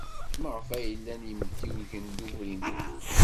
Maɣef ay llan yimtiwgen d ubrinen?